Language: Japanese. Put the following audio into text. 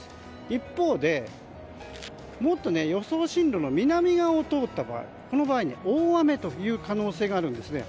一方で、もっと予想進路の南側を通った場合この場合大雨という可能性があるんですね。